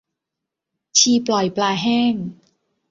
ชีปล่อยปลาแห้ง